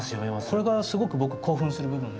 これがすごく僕興奮する部分で。